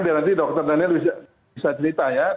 biar nanti dokter daniel bisa cerita ya